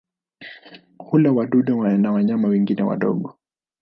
Hula wadudu na wanyama wengine wadogo.